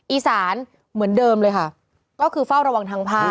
อีสานเหมือนเดิมเลยค่ะก็คือเฝ้าระวังทางภาค